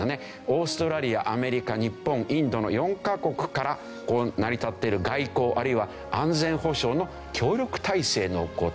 オーストラリアアメリカ日本インドの４カ国から成り立っている外交あるいは安全保障の協力体制の事。